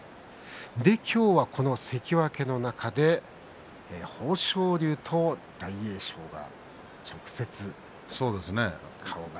今日は関脇の中で豊昇龍と大栄翔が直接対決です。